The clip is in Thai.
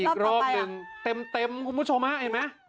อีกรอบอีกรอบหนึ่งเต็มคุณผู้ชมฮะเห็นมะ